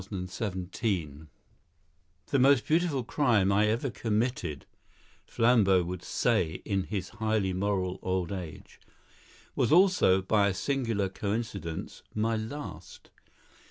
The Flying Stars "The most beautiful crime I ever committed," Flambeau would say in his highly moral old age, "was also, by a singular coincidence, my last.